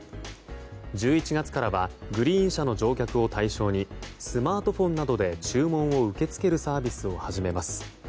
１１月からはグリーン車の乗客を対象にスマートフォンなどで注文を受け付けるサービスを始めます。